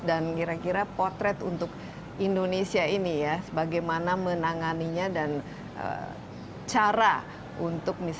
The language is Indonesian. dan kira kira potret untuk indonesia ini ya bagaimana menanganinya dan cara untuk misalnya